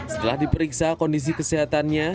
setelah diperiksa kondisi kesehatannya